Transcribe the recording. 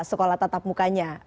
sekolah tatap mukanya